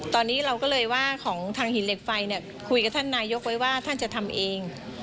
ตอนนี้เราก็เลยว่าของทางหินเหล็กไฟเนี่ยคุยกับท่านนายกไว้ว่าท่านจะทำเอง